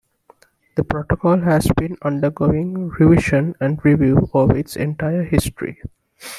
The protocol has been undergoing revision and review over its entire history.